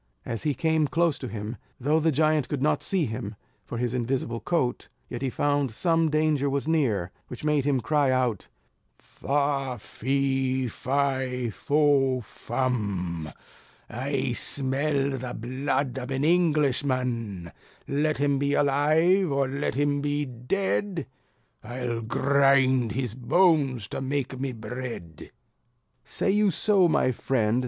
As he came close to him, though the giant could not see him, for his invisible coat, yet he found some danger was near, which made him cry out: "Fa, fe, fi, fo, fum, I smell the blood of an Englishman; Let him be alive, or let him be dead, I'll grind his bones to make me bread." "Say you so my friend?"